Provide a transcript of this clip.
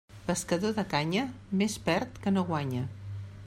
Pescador de canya, més perd que no guanya.